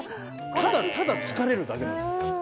ただただ疲れるだけなんですよ。